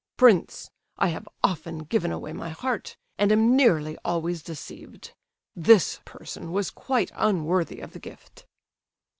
Prince, I have often given away my heart, and am nearly always deceived. This person was quite unworthy of the gift."